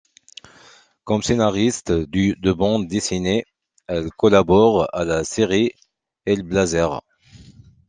Comme scénariste de bande dessinée, elle collabore à la série Hellblazer.